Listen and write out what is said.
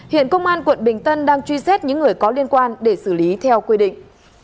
hiện công an quận bình tân đang truy xét những người có liên quan để xử lý theo quy định